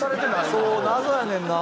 そう謎やねんな。